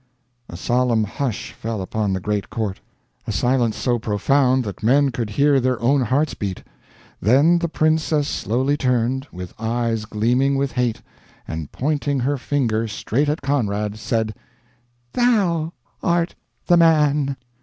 A solemn hush fell upon the great court a silence so profound that men could hear their own hearts beat. Then the princess slowly turned, with eyes gleaming with hate, and pointing her finger straight at Conrad, said: "Thou art the man!"